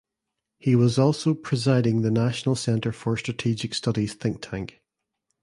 He was also presiding the National Centre for Strategic Studies think tank.